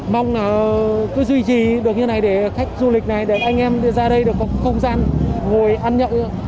mong là cứ duy trì được như này để khách du lịch này được anh em ra đây được có không gian ngồi ăn nhậu